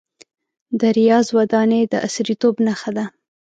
د ریاض ودانۍ د عصریتوب نښه ده.